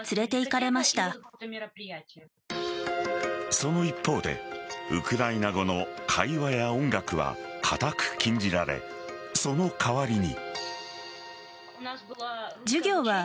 その一方でウクライナ語の会話や音楽は固く禁じられその代わりに。